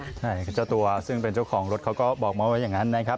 ใช่เจ้าตัวซึ่งเป็นเจ้าของรถเขาก็บอกมาว่าอย่างนั้นนะครับ